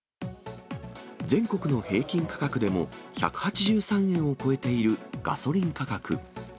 全国の平均価格でも１８３円を超えているガソリン価格。